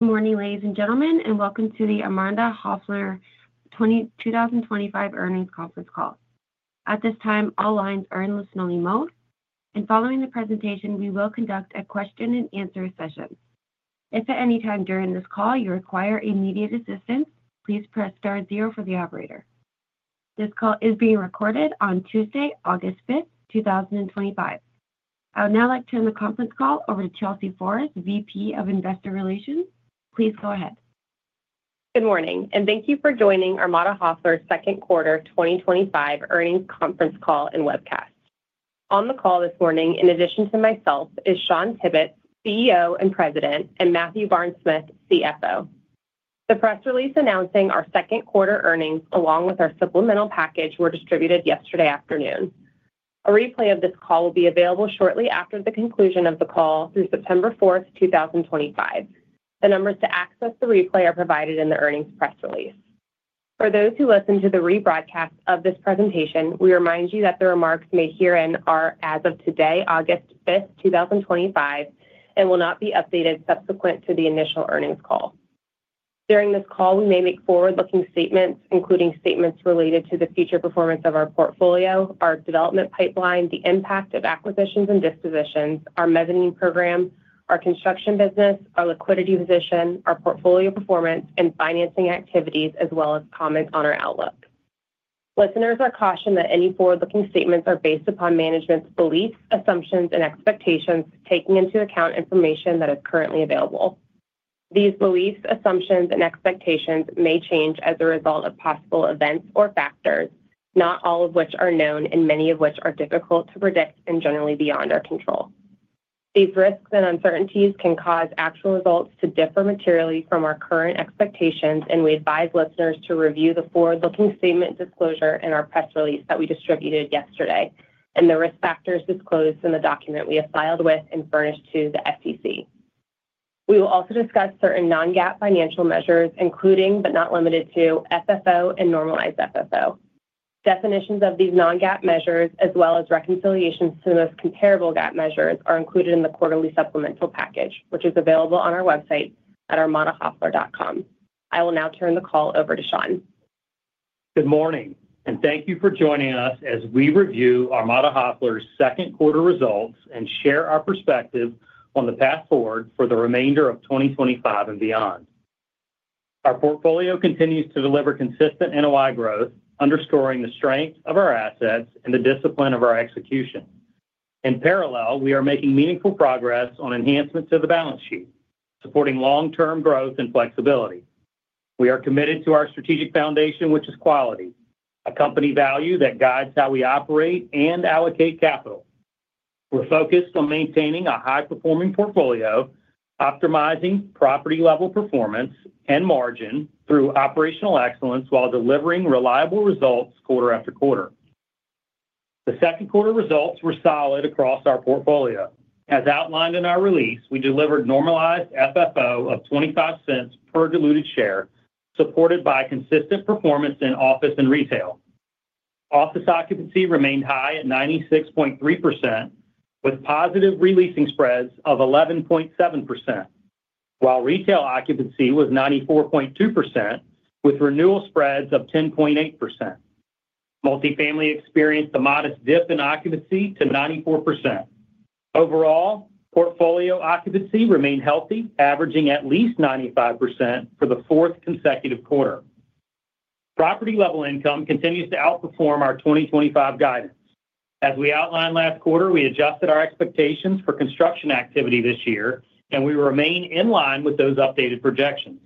Good morning, ladies and gentlemen, and welcome to the Armada Hoffler Properties 2025 Earnings Conference Call. At this time, all lines are in listen-only mode, and following the presentation, we will conduct a question-and-answer session. If at any time during this call you require immediate assistance, please press star zero for the operator. This call is being recorded on Tuesday, August 5, 2025. I would now like to turn the conference call over to Chelsea Forrest, Vice President of Investor Relations. Please go ahead. Good morning, and thank you for joining Armada Hoffler's Second Quarter 2025 Earnings Conference Call and Webcast. On the call this morning, in addition to myself, is Shawn Tibbetts, CEO and President, and Matthew Barnes-Smith, CFO. The press release announcing our second quarter earnings, along with our supplemental package, were distributed yesterday afternoon. A replay of this call will be available shortly after the conclusion of the call through September 4, 2025. The numbers to access the replay are provided in the Earnings Press Release. For those who listen to the rebroadcast of this presentation, we remind you that the remarks made herein are, as of today, August 5, 2025, and will not be updated subsequent to the initial earnings call. During this call, we may make forward-looking statements, including statements related to the future performance of our portfolio, our development pipeline, the impact of acquisitions and dispositions, our mezzanine program, our construction services business, our liquidity position, our portfolio performance, and financing activities, as well as comments on our outlook. Listeners are cautioned that any forward-looking statements are based upon management's beliefs, assumptions, and expectations, taking into account information that is currently available. These beliefs, assumptions, and expectations may change as a result of possible events or factors, not all of which are known and many of which are difficult to predict and generally beyond our control. These risks and uncertainties can cause actual results to differ materially from our current expectations, and we advise listeners to review the forward-looking statement disclosure in our press release that we distributed yesterday and the risk factors disclosed in the document we have filed with and furnished to the SEC. We will also discuss certain non-GAAP financial measures, including but not limited to FFO and normalized FFO. Definitions of these non-GAAP measures, as well as reconciliations to the most comparable GAAP measures, are included in the quarterly supplemental package, which is available on our website at armadahoffler.com. I will now turn the call over to Shawn. Good morning, and thank you for joining us as we review Armada Hoffler's second quarter results and share our perspective on the path forward for the remainder of 2025 and beyond. Our portfolio continues to deliver consistent NOI growth, underscoring the strength of our assets and the discipline of our execution. In parallel, we are making meaningful progress on enhancements to the balance sheet, supporting long-term growth and flexibility. We are committed to our strategic foundation, which is quality, a company value that guides how we operate and allocate capital. We're focused on maintaining a high-performing portfolio, optimizing property-level performance and margin through operational excellence while delivering reliable results quarter after quarter. The second quarter results were solid across our portfolio. As outlined in our release, we delivered normalized FFO of $0.25 per diluted share, supported by consistent performance in office and retail. Office occupancy remained high at 96.3%, with positive releasing spreads of 11.7%, while retail occupancy was 94.2%, with renewal spreads of 10.8%. Multifamily experienced a modest dip in occupancy to 94%. Overall, portfolio occupancy remained healthy, averaging at least 95% for the fourth consecutive quarter. Property-level income continues to outperform our 2025 guidance. As we outlined last quarter, we adjusted our expectations for construction activity this year, and we remain in line with those updated projections.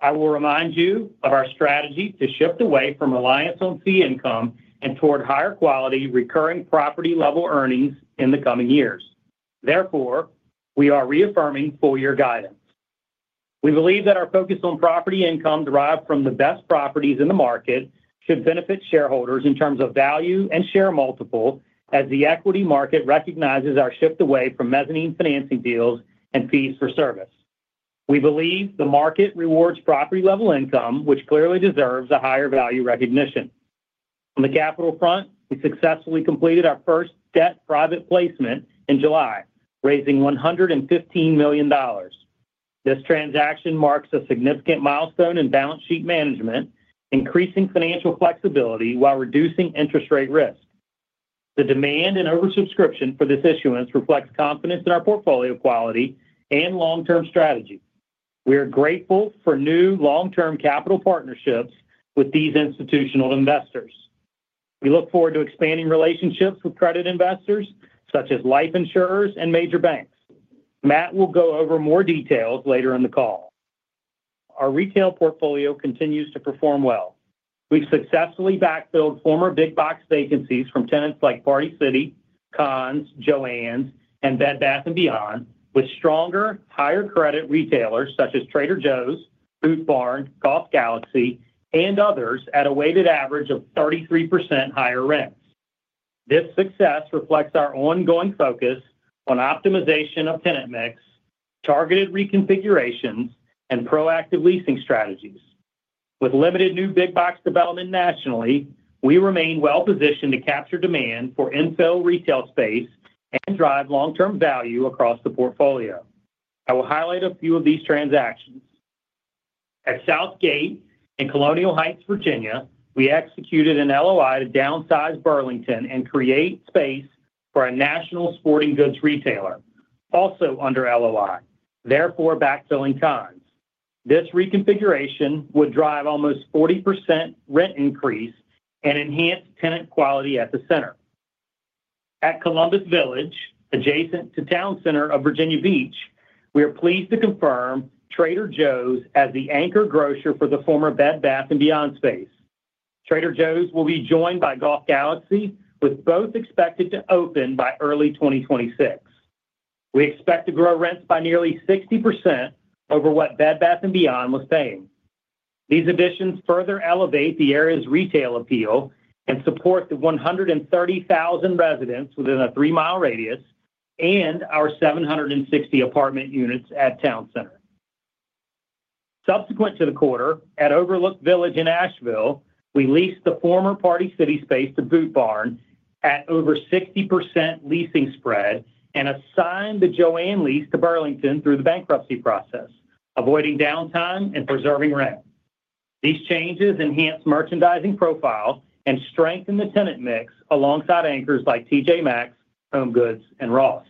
I will remind you of our strategy to shift away from reliance on fee income and toward higher quality recurring property-level earnings in the coming years. Therefore, we are reaffirming full-year guidance. We believe that our focus on property income derived from the best properties in the market should benefit shareholders in terms of value and share multiple, as the equity market recognizes our shift away from mezzanine financing deals and fees for service. We believe the market rewards property-level income, which clearly deserves a higher value recognition. On the capital front, we successfully completed our first debt private placement in July, raising $115 million. This transaction marks a significant milestone in balance sheet management, increasing financial flexibility while reducing interest rate risk. The demand and oversubscription for this issuance reflect confidence in our portfolio quality and long-term strategy. We are grateful for new long-term capital partnerships with these institutional investors. We look forward to expanding relationships with credit investors, such as life insurers and major banks. Matt will go over more details later in the call. Our retail portfolio continues to perform well. We've successfully backfilled former big-box vacancies from tenants like Party City, Conn's, Joann's, and Bed Bath & Beyond, with stronger, higher-credit retailers such as Trader Joe’s, Booth Barnes, Golf Galaxy, and others at a weighted average of 33% higher rent. This success reflects our ongoing focus on optimization of tenant mix, targeted reconfigurations, and proactive leasing strategies. With limited new big-box development nationally, we remain well-positioned to capture demand for infill retail space and drive long-term value across the portfolio. I will highlight a few of these transactions. At Southgate in Colonial Heights, Virginia, we executed an LOI to downsize Burlington and create space for a national sporting goods retailer, also under LOI, therefore backfilling Conn's. This reconfiguration would drive almost 40% rent increase and enhance tenant quality at the center. At Columbus Village, adjacent to Town Center of Virginia Beach, we are pleased to confirm Trader Joe’s as the anchor grocer for the former Bed Bath & Beyond space. Trader Joe’s will be joined by Golf Galaxy, with both expected to open by early 2026. We expect to grow rents by nearly 60% over what Bed Bath & Beyond was paying. These additions further elevate the area's retail appeal and support the 130,000 residents within a 3 mi radius and our 760 apartment units at Town Center. Subsequent to the quarter, at Overlook Village in Asheville, we leased the former Party City space to Booth Barnes at over 60% leasing spread and assigned the Joann lease to Burlington through the bankruptcy process, avoiding downtime and preserving rent. These changes enhance merchandising profiles and strengthen the tenant mix alongside anchors like T.J. Maxx, HomeGoods, and Ross.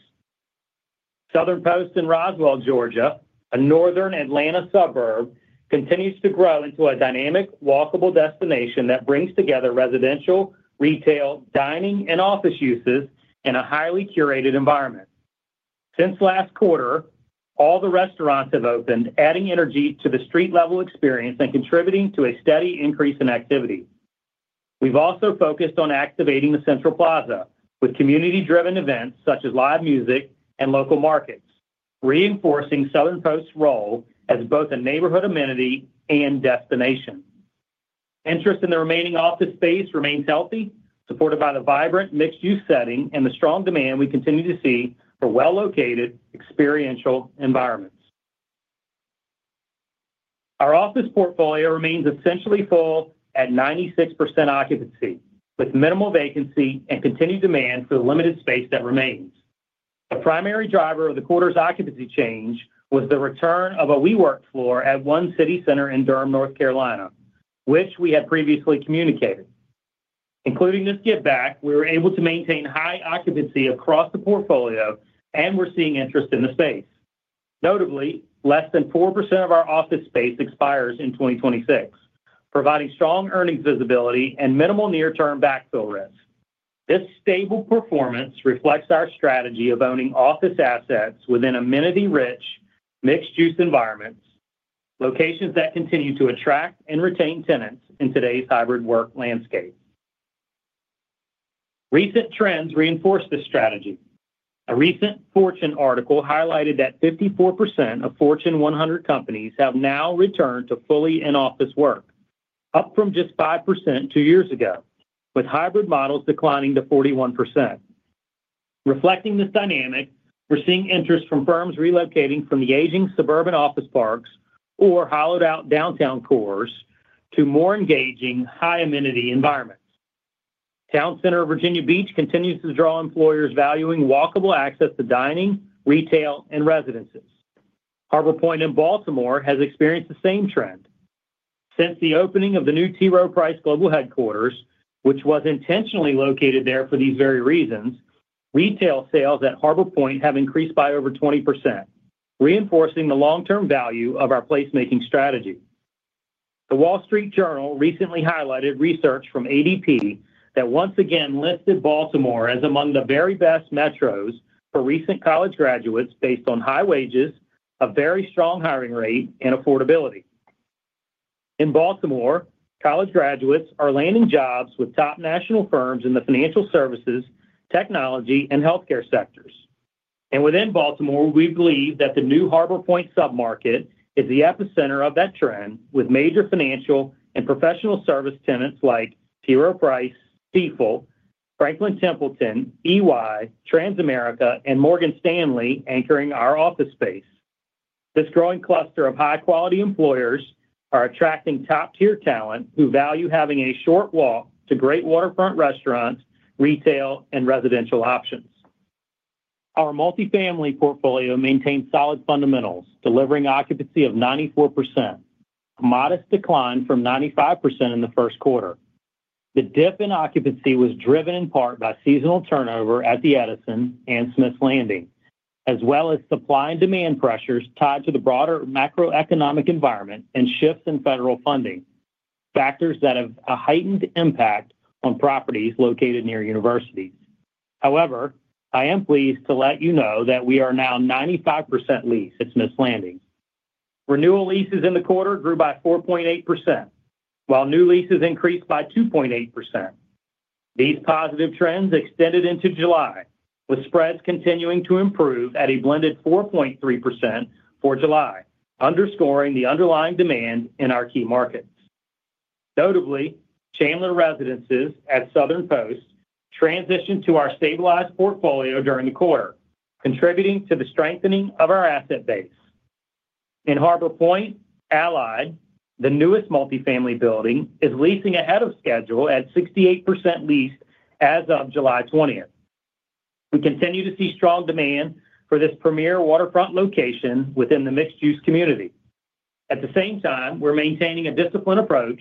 Southern Post in Roswell, Georgia, a northern Atlanta suburb, continues to grow into a dynamic, walkable destination that brings together residential, retail, dining, and office uses in a highly curated environment. Since last quarter, all the restaurants have opened, adding energy to the street-level experience and contributing to a steady increase in activity. We've also focused on activating the Central Plaza with community-driven events such as live music and local markets, reinforcing Southern Post's role as both a neighborhood amenity and destination. Interest in the remaining office space remains healthy, supported by the vibrant mixed-use setting and the strong demand we continue to see for well-located, experiential environments. Our office portfolio remains essentially full at 96% occupancy, with minimal vacancy and continued demand for the limited space that remains. The primary driver of the quarter's occupancy change was the return of a WeWork floor at One City Center in Durham, North Carolina, which we had previously communicated. Including this give-back, we were able to maintain high occupancy across the portfolio, and we're seeing interest in the space. Notably, less than 4% of our office space expires in 2026, providing strong earnings visibility and minimal near-term backfill rents. This stable performance reflects our strategy of owning office assets within amenity-rich, mixed-use environments, locations that continue to attract and retain tenants in today's hybrid work landscape. Recent trends reinforce this strategy. A recent Fortune article highlighted that 54% of Fortune 100 companies have now returned to fully in-office work, up from just 5% two years ago, with hybrid models declining to 41%. Reflecting this dynamic, we're seeing interest from firms relocating from the aging suburban office parks or hollowed-out downtown cores to more engaging, high-amenity environments. Town Center of Virginia Beach continues to draw employers valuing walkable access to dining, retail, and residences. Harbor Point in Baltimore has experienced the same trend. Since the opening of the new T. Rowe Price Global Headquarters, which was intentionally located there for these very reasons, retail sales at Harbor Point have increased by over 20%, reinforcing the long-term value of our placemaking strategy. The Wall Street Journal recently highlighted research from ADP that once again listed Baltimore as among the very best metros for recent college graduates based on high wages, a very strong hiring rate, and affordability. In Baltimore, college graduates are landing jobs with top national firms in the financial services, technology, and healthcare sectors. Within Baltimore, we believe that the new Harbor Point submarket is the epicenter of that trend, with major financial and professional service tenants like T. Rowe Price, Stifel, Franklin Templeton, EY, Transamerica, and Morgan Stanley anchoring our office space. This growing cluster of high-quality employers is attracting top-tier talent who value having a short walk to great waterfront restaurants, retail, and residential options. Our multifamily portfolio maintains solid fundamentals, delivering occupancy of 94%, a modest decline from 95% in the first quarter. The dip in occupancy was driven in part by seasonal turnover at the Edison and Smith Landing, as well as supply and demand pressures tied to the broader macroeconomic environment and shifts in federal funding, factors that have a heightened impact on properties located near universities. However, I am pleased to let you know that we are now 95% leased at Smith Landing. Renewal leases in the quarter grew by 4.8%, while new leases increased by 2.8%. These positive trends extended into July, with spreads continuing to improve at a blended 4.3% for July, underscoring the underlying demand in our key markets. Notably, Chandler Residences at Southern Post transitioned to our stabilized portfolio during the quarter, contributing to the strengthening of our asset base. In Harbor Point, Allied, the newest multifamily building, is leasing ahead of schedule at 68% leased as of July 20th. We continue to see strong demand for this premier waterfront location within the mixed-use community. At the same time, we're maintaining a disciplined approach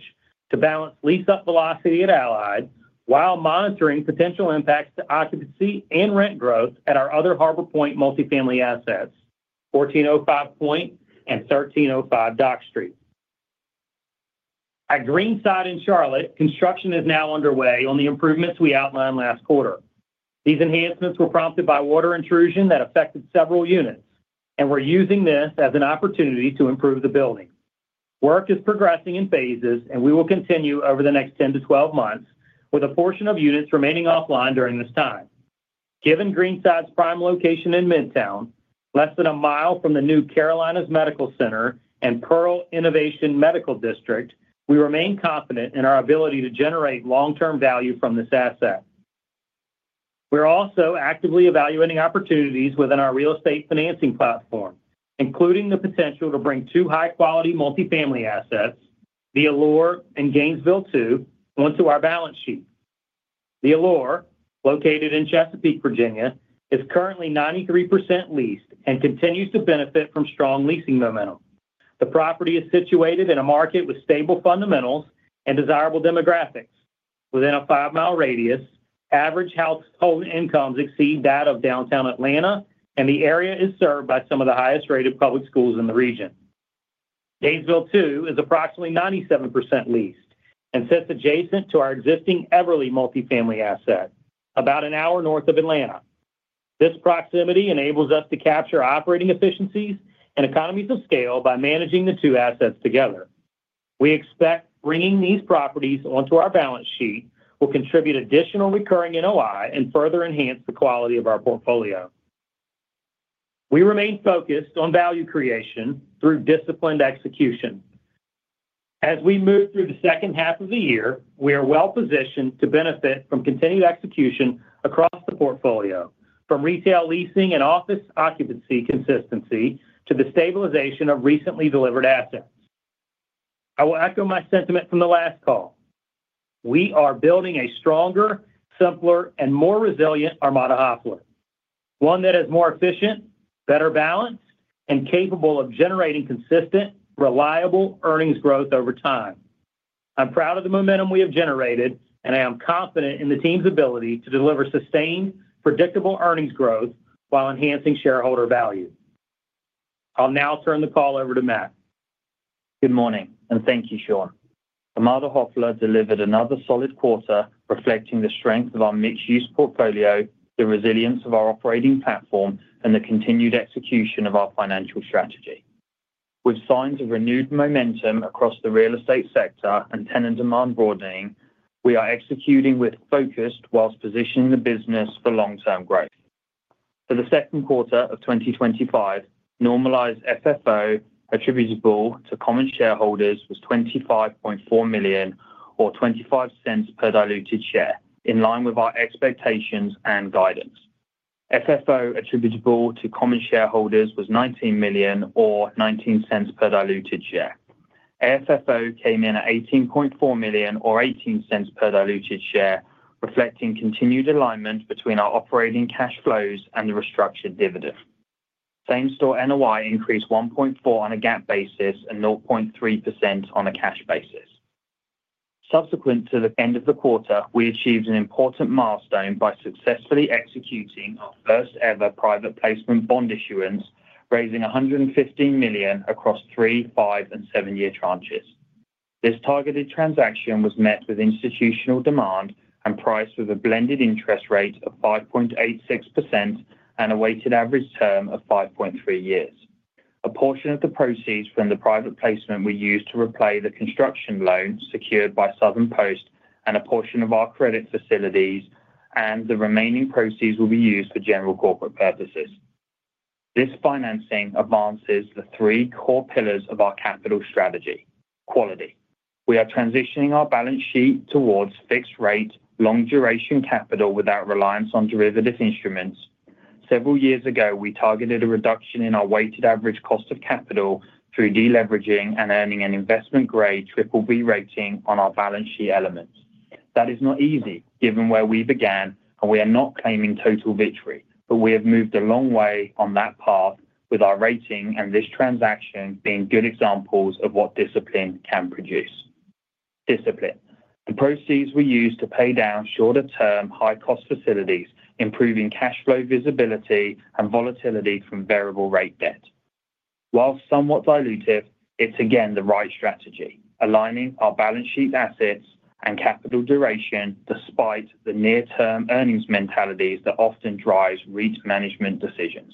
to balance lease-up velocity at Allied while monitoring potential impacts to occupancy and rent growth at our other Harbor Point multifamily assets, 1405 Point and 1305 Dock Street. At Greenside in Charlotte, construction is now underway on the improvements we outlined last quarter. These enhancements were prompted by water intrusion that affected several units, and we're using this as an opportunity to improve the building. Work is progressing in phases, and we will continue over the next 101-2 months, with a portion of units remaining offline during this time. Given Greenside's prime location in Midtown, less than a mile from the new Carolinas Medical Center and Pearl Innovation Medical District, we remain confident in our ability to generate long-term value from this asset. We're also actively evaluating opportunities within our real estate financing platform, including the potential to bring two high-quality multifamily assets, The Allure and Gainesville II, onto our balance sheet. The Allure, located in Chesapeake, Virginia, is currently 93% leased and continues to benefit from strong leasing momentum. The property is situated in a market with stable fundamentals and desirable demographics. Within a 5 mi radius, average household incomes exceed that of downtown Atlanta, and the area is served by some of the highest-rated public schools in the region. Gainesville II is approximately 97% leased and sits adjacent to our existing Everly multifamily asset, about an hour north of Atlanta. This proximity enables us to capture operating efficiencies and economies of scale by managing the two assets together. We expect bringing these properties onto our balance sheet will contribute additional recurring NOI and further enhance the quality of our portfolio. We remain focused on value creation through disciplined execution. As we move through the second half of the year, we are well-positioned to benefit from continued execution across the portfolio, from retail leasing and office occupancy consistency to the stabilization of recently delivered assets. I will echo my sentiment from the last call. We are building a stronger, simpler, and more resilient Armada Hoffler. One that is more efficient, better balanced, and capable of generating consistent, reliable earnings growth over time. I'm proud of the momentum we have generated, and I am confident in the team's ability to deliver sustained, predictable earnings growth while enhancing shareholder value. I'll now turn the call over to Matt. Good morning, and thank you, Shawn. Armada Hoffler delivered another solid quarter, reflecting the strength of our mixed-use portfolio, the resilience of our operating platform, and the continued execution of our financial strategy. With signs of renewed momentum across the real estate sector and tenant demand broadening, we are executing with focus whilst positioning the business for long-term growth. For the second quarter of 2025, normalized FFO attributable to common shareholders was $25.4 million, or $0.25 per diluted share, in line with our expectations and guidance. FFO attributable to common shareholders was $19 million, or $0.19 per diluted share. FFO came in at $18.4 million, or $0.18 per diluted share, reflecting continued alignment between our operating cash flows and the restructured dividend. Same-store NOI increased 1.4% on a GAAP basis and 0.3% on a cash basis. Subsequent to the end of the quarter, we achieved an important milestone by successfully executing our first-ever private placement bond issuance, raising $115 million across three, five, and seven-year tranches. This targeted transaction was met with institutional demand and priced with a blended interest rate of 5.86% and a weighted average term of 5.3 years. A portion of the proceeds from the private placement were used to repay the construction loan secured by Southern Post and a portion of our credit facilities, and the remaining proceeds will be used for general corporate purposes. This financing advances the three core pillars of our capital strategy: Quality. We are transitioning our balance sheet towards fixed-rate, long-duration capital without reliance on derivative instruments. Several years ago, we targeted a reduction in our weighted average cost of capital through deleveraging and earning an investment-grade triple B rating on our balance sheet elements. That is not easy, given where we began, and we are not claiming total victory, but we have moved a long way on that path with our rating and this transaction being good examples of what discipline can produce. Discipline. The proceeds were used to pay down shorter-term, high-cost facilities, improving cash flow visibility and volatility from variable rate debt. While somewhat dilutive, it's again the right strategy, aligning our balance sheet assets and capital duration despite the near-term earnings mentalities that often drive REIT management decisions.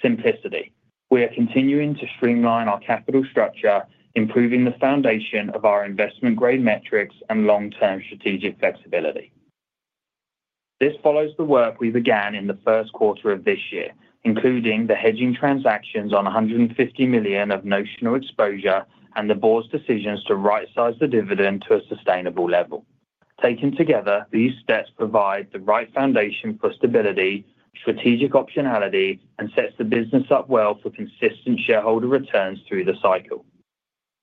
Simplicity. We are continuing to streamline our capital structure, improving the foundation of our investment-grade metrics and long-term strategic flexibility. This follows the work we began in the first quarter of this year, including the hedging transactions on $150 million of notional exposure and the Board's decisions to right-size the dividend to a sustainable level. Taken together, these steps provide the right foundation for stability, strategic optionality, and set the business up well for consistent shareholder returns through the cycle.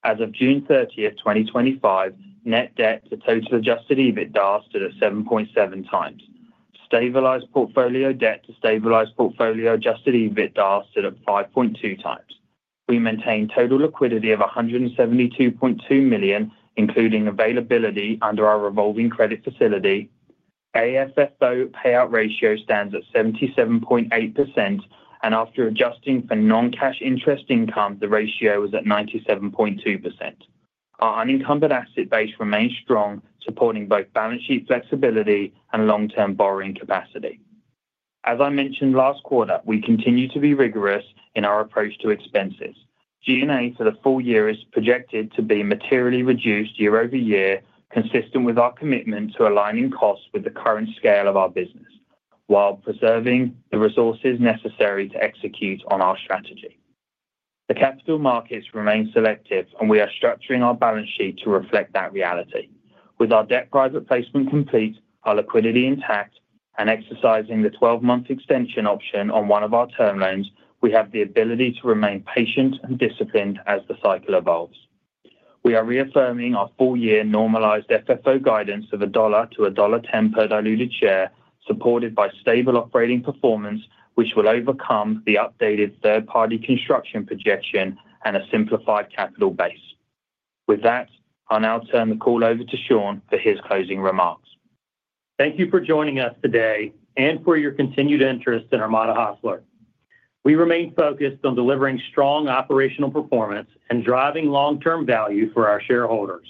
As of June 30, 2025, net debt to total adjusted EBITDA stood at 7.7x. Stabilized portfolio debt to stabilized portfolio adjusted EBITDA stood at 5.2x. We maintain total liquidity of $172.2 million, including availability under our revolving credit facility. AFFO payout ratio stands at 77.8%, and after adjusting for non-cash interest income, the ratio was at 97.2%. Our unencumbered asset base remains strong, supporting both balance sheet flexibility and long-term borrowing capacity. As I mentioned last quarter, we continue to be rigorous in our approach to expenses. G&A for the full year is projected to be materially reduced year-over-year, consistent with our commitment to aligning costs with the current scale of our business, while preserving the resources necessary to execute on our strategy. The capital markets remain selective, and we are structuring our balance sheet to reflect that reality. With our debt private placement complete, our liquidity intact, and exercising the 12-month extension option on one of our term loans, we have the ability to remain patient and disciplined as the cycle evolves. We are reaffirming our full-year normalized FFO guidance of $1.00-$1.10 per diluted share, supported by stable operating performance, which will overcome the updated third-party construction projection and a simplified capital base. With that, I'll now turn the call over to Shawn for his closing remarks. Thank you for joining us today and for your continued interest in Armada Hoffler. We remain focused on delivering strong operational performance and driving long-term value for our shareholders.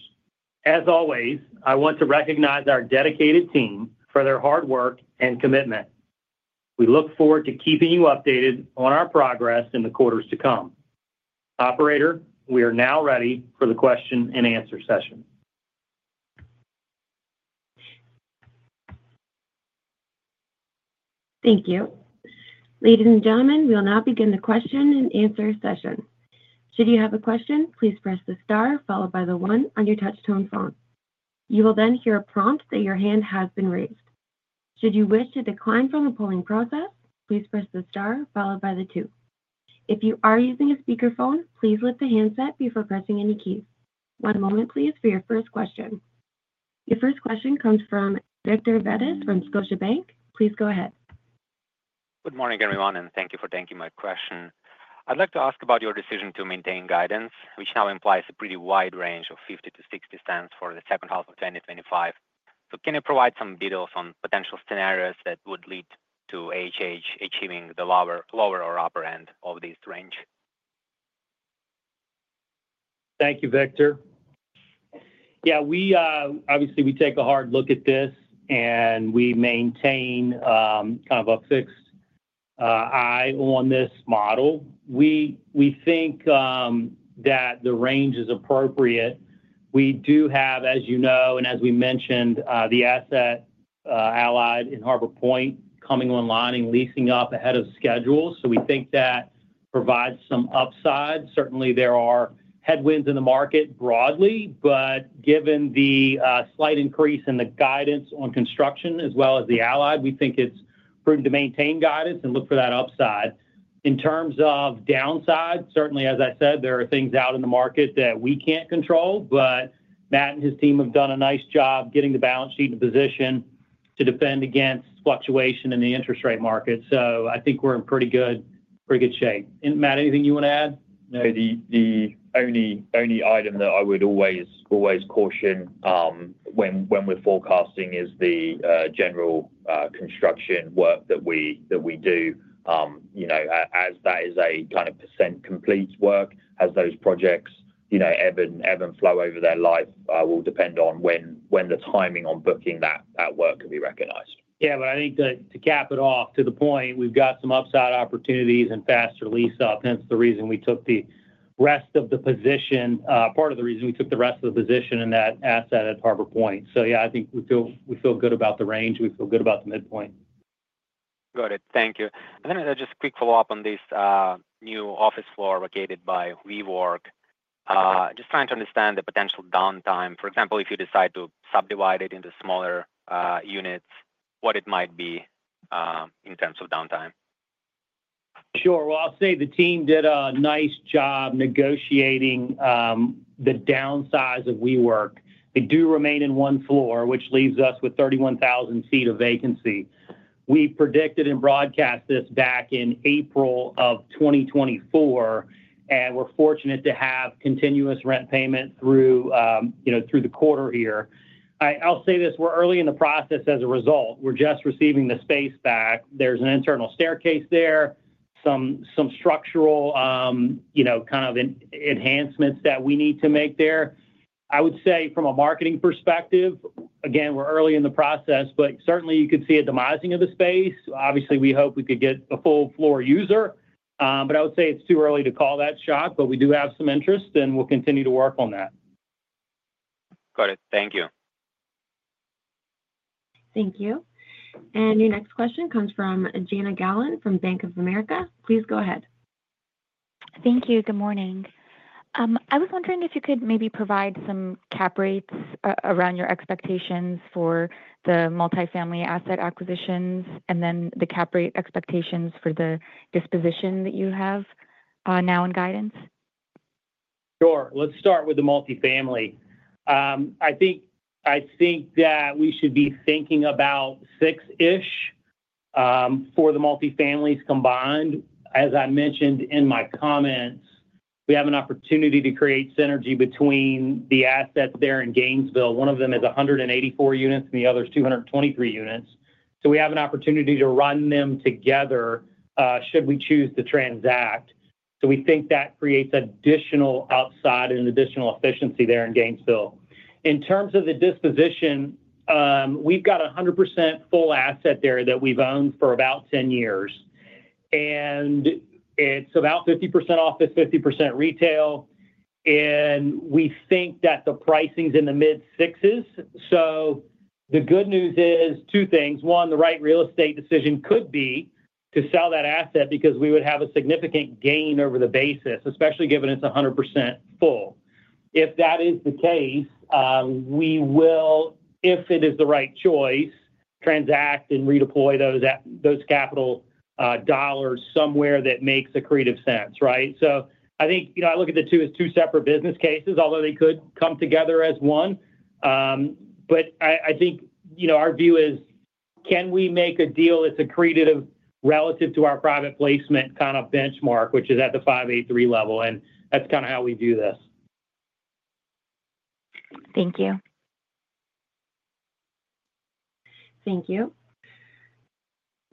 As always, I want to recognize our dedicated team for their hard work and commitment. We look forward to keeping you updated on our progress in the quarters to come. Operator, we are now ready for the question-and-answer session. Thank you. Ladies and gentlemen, we will now begin the question-and-answer session. Should you have a question, please press the star followed by the one on your touch-tone phone. You will then hear a prompt that your hand has been raised. Should you wish to decline from the polling process, please press the star followed by the two. If you are using a speakerphone, please lift the handset before pressing any key. One moment, please, for your first question. Your first question comes from Viktor Fediv from Scotiabank. Please go ahead. Good morning, everyone, and thank you for taking my question. I'd like to ask about your decision to maintain guidance, which now implies a pretty wide range of $0.50-$0.60 for the second half of 2025. Can you provide some details on potential scenarios that would lead to AH achieving the lower or upper end of this range? Thank you, Viktor. Yeah, we obviously take a hard look at this, and we maintain kind of a fixed eye on this model. We think that the range is appropriate. We do have, as you know, and as we mentioned, the asset Allied and Harbor Point coming online and leasing up ahead of schedule. We think that provides some upside. Certainly, there are headwinds in the market broadly, but given the slight increase in the guidance on construction as well as the Allied, we think it's prudent to maintain guidance and look for that upside. In terms of downside, certainly, as I said, there are things out in the market that we can't control, but Matt and his team have done a nice job getting the balance sheet in position to defend against fluctuation in the interest rate market. I think we're in pretty good shape. Matt, anything you want to add? No, the only item that I would always caution when we're forecasting is the general construction work that we do. As that is a kind of percent complete work, as those projects ebb and flow over their life, it will depend on when the timing on booking that work can be recognized. I think to cap it off to the point, we've got some upside opportunities and faster lease up. Hence the reason we took the rest of the position, part of the reason we took the rest of the position in that asset at Harbor Point. I think we feel good about the range. We feel good about the midpoint. Got it. Thank you. I think just a quick follow-up on this new office floor located by WeWork. Just trying to understand the potential downtime. For example, if you decide to subdivide it into smaller units, what it might be in terms of downtime. Sure. I'll say the team did a nice job negotiating the downsize of WeWork. They do remain in one floor, which leaves us with 31,000 seats of vacancy. We predicted and broadcast this back in April of 2024, and we're fortunate to have continuous rent payment through the quarter here. I'll say this: we're early in the process as a result. We're just receiving the space back. There's an internal staircase there, some structural kind of enhancements that we need to make there. I would say from a marketing perspective, again, we're early in the process, but certainly you could see a demising of the space. Obviously, we hope we could get a full-floor user, but I would say it's too early to call that shot, but we do have some interest, and we'll continue to work on that. Got it. Thank you. Thank you. Your next question comes from Jana Galan from Bank of America. Please go ahead. Thank you. Good morning. I was wondering if you could maybe provide some cap rates around your expectations for the multifamily asset acquisitions, and then the cap rate expectations for the disposition that you have now in guidance. Sure. Let's start with the multifamily. I think that we should be thinking about 6% for the multifamily, combined. As I mentioned in my comments, we have an opportunity to create synergy between the assets there in Gainesville. One of them is 184 units, and the other is 223 units. We have an opportunity to run them together should we choose to transact. We think that creates additional upside and additional efficiency there in Gainesville. In terms of the disposition, we've got a 100% full asset there that we've owned for about 10 years. It's about 50% office, 50% retail. We think that the pricing is in the mid-6%. The good news is two things. One, the right real estate decision could be to sell that asset because we would have a significant gain over the basis, especially given it's 100% full. If that is the case, if it is the right choice, we will transact and redeploy those capital dollars somewhere that makes accretive sense, right? I think, you know, I look at the two as two separate business cases, although they could come together as one. I think, you know, our view is, can we make a deal that's accretive relative to our private placement kind of benchmark, which is at the 5.83% level? That's kind of how we view this. Thank you. Thank you.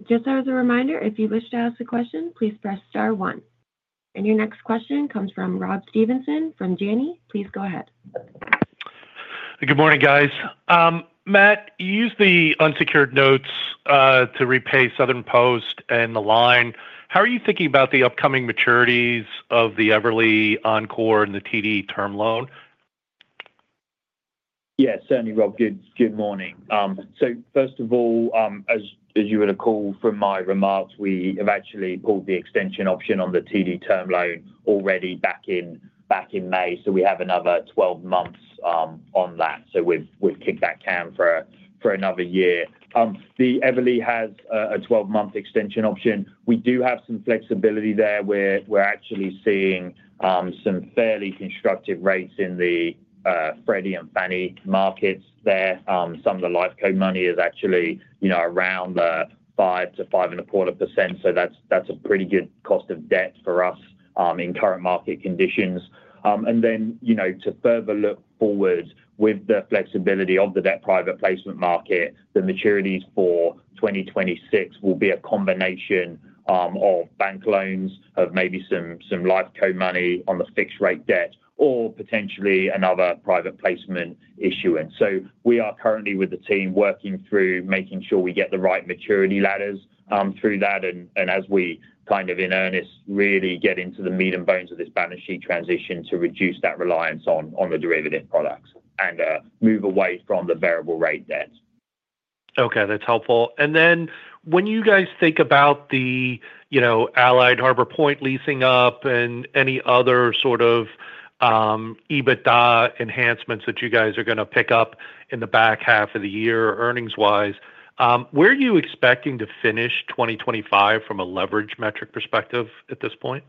Just as a reminder, if you wish to ask a question, please press star one. Your next question comes from Rob Stevenson from Janney Montgomery. Please go ahead. Good morning, guys. Matt, you used the unsecured notes to repay Southern Post and the line. How are you thinking about the upcoming maturities of the Everly Encore and the TD term loan? Yeah, certainly, Rob. Good morning. As you would recall from my remarks, we have actually pulled the extension option on the TD term loan already back in May. We have another 12 months on that, so we've kicked that can for another year. The Everly has a 12-month extension option. We do have some flexibility there. We're actually seeing some fairly constructive rates in the Freddie and Fannie markets there. Some of the lifeco money is actually around the 5%-5.25%. That's a pretty good cost of debt for us in current market conditions. To further look forward with the flexibility of the debt private placement market, the maturities for 2026 will be a combination of bank loans, maybe some lifeco money on the fixed-rate debt, or potentially another private placement issuance. We are currently with the team working through making sure we get the right maturity ladders through that. As we, in earnest, really get into the meat and bones of this balance sheet transition to reduce that reliance on the derivative products and move away from the variable rate debt. Okay, that's helpful. When you guys think about the, you know, Allied | Harbor Point leasing up and any other sort of EBITDA enhancements that you guys are going to pick up in the back half of the year earnings-wise, where are you expecting to finish 2025 from a leverage metric perspective at this point?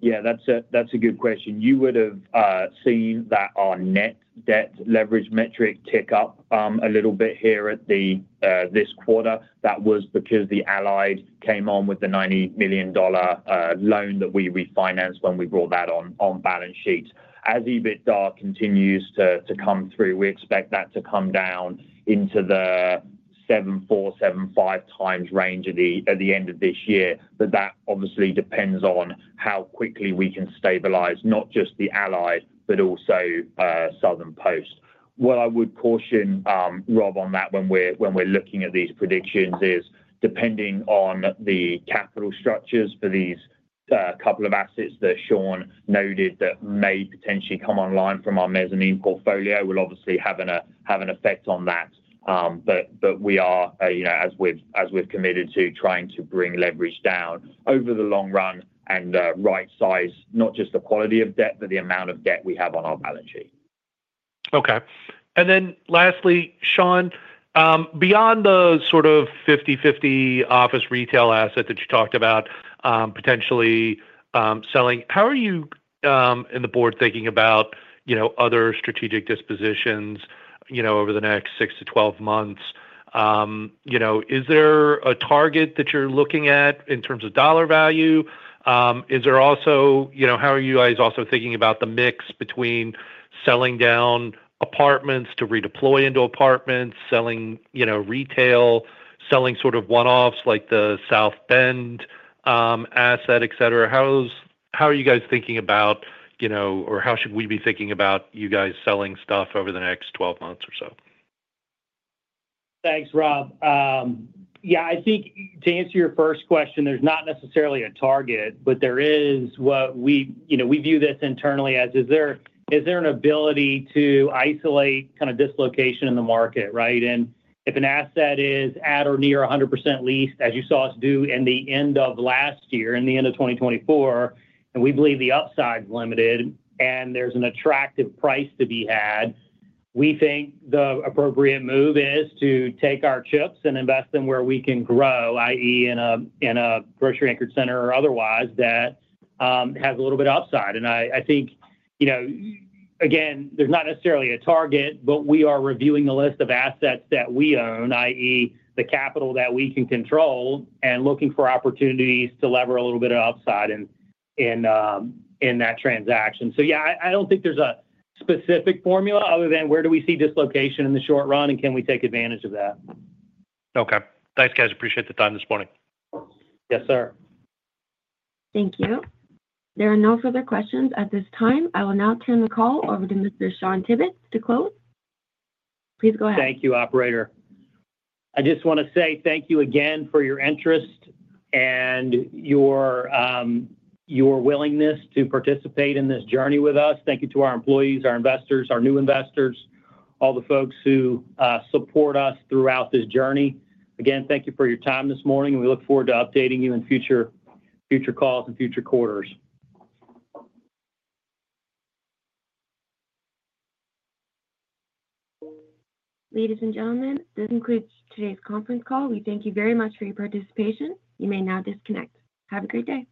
Yeah, that's a good question. You would have seen that our net debt leverage metric tick up a little bit here at this quarter. That was because the Allied came on with the $90 million loan that we refinanced when we brought that on balance sheets. As EBITDA continues to come through, we expect that to come down into the 7.4x-7.5x range at the end of this year. That obviously depends on how quickly we can stabilize not just the Allied, but also Southern Post. What I would caution, Rob, on that when we're looking at these predictions is depending on the capital structures for these couple of assets that Shawn noted that may potentially come online from our mezzanine portfolio will obviously have an effect on that. We are, you know, as we've committed to trying to bring leverage down over the long run and right-size not just the quality of debt, but the amount of debt we have on our balance sheet. Okay. Lastly, Shawn, beyond the sort of 50/50 office retail asset that you talked about potentially selling, how are you and the Board thinking about other strategic dispositions over the next 6-12 months? Is there a target that you're looking at in terms of dollar value? Also, how are you guys thinking about the mix between selling down apartments to redeploy into apartments, selling retail, selling sort of one-offs like the South Bend asset, et cetera? How are you guys thinking about, or how should we be thinking about you guys selling stuff over the next 12 months or so? Thanks, Rob. I think to answer your first question, there's not necessarily a target, but there is what we, you know, we view this internally as is there an ability to isolate kind of dislocation in the market, right? If an asset is at or near 100% leased, as you saw us do in the end of last year, in the end of 2024, and we believe the upside is limited and there's an attractive price to be had, we think the appropriate move is to take our chips and invest them where we can grow, i.e., in a grocery-anchored center or otherwise that has a little bit of upside. I think, you know, again, there's not necessarily a target, but we are reviewing the list of assets that we own, i.e., the capital that we can control, and looking for opportunities to lever a little bit of upside in that transaction. I don't think there's a specific formula other than where do we see dislocation in the short run and can we take advantage of that. Okay, thanks, guys. Appreciate the time this morning. Yes, sir. Thank you. There are no further questions at this time. I will now turn the call over to Mr. Shawn J. Tibbetts to close. Please go ahead. Thank you, Operator. I just want to say thank you again for your interest and your willingness to participate in this journey with us. Thank you to our employees, our investors, our new investors, all the folks who support us throughout this journey. Thank you for your time this morning, and we look forward to updating you in future calls and future quarters. Ladies and gentlemen, this concludes today's conference call. We thank you very much for your participation. You may now disconnect. Have a great day.